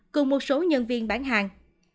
cùng một số nhân viên bán hàng